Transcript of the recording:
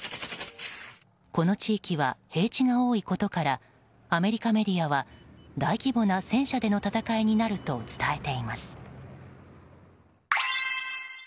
この地域は平地が多いことからアメリカメディアは大規模な戦車での戦いになると伝えています。